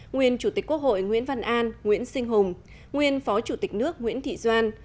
nguyên chủ tịch quốc hội nguyễn văn an nguyễn sinh hùng nguyên phó chủ tịch nước nguyễn thị doan